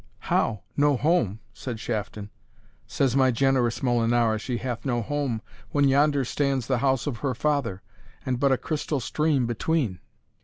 "How! no home!" said Shafton; "says my generous Molinara she hath no home, when yonder stands the house of her father, and but a crystal stream between?"